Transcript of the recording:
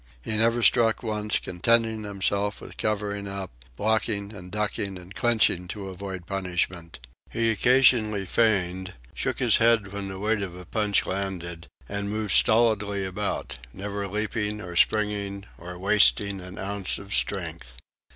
He never struck once, contenting himself with covering up, blocking and ducking and clinching to avoid punishment. He occasionally feinted, shook his head when the weight of a punch landed, and moved stolidly about, never leaping or springing or wasting an ounce of strength.